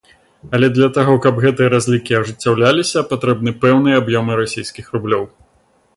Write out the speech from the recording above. Але для таго, каб гэтыя разлікі ажыццяўляліся, патрэбны пэўныя аб'ёмы расійскіх рублёў.